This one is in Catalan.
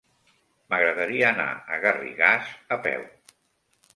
M'agradaria anar a Garrigàs a peu.